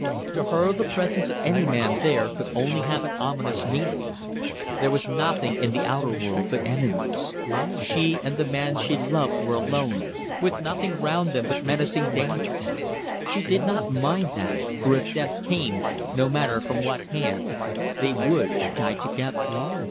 To her the presence of any man there could only have an ominous meaning. There was nothing in the outer world but enemies. She and the man she loved were alone, with nothing round them but menacing dangers. She did not mind that, for if death came, no matter from what hand, they would die together.